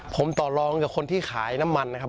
ผมต่อรองกับคนที่ขายน้ำมันกับบอกว่า